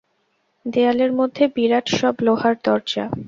দেয়ালের মধ্যে বিরাট সব লোহার দরজা।